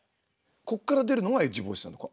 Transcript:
ここから出るのがエッジボイスなのか。